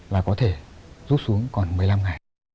là có thể rút xuống còn một mươi năm ngày